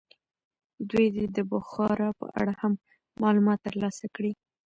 دوی دې د بخارا په اړه هم معلومات ترلاسه کړي.